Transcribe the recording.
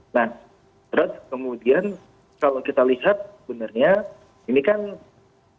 nah terus kemudian kalau kita lihat benarnya ini kan